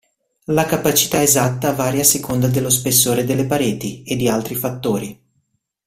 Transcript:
La capacità esatta varia a seconda dello spessore delle pareti, e di altri fattori.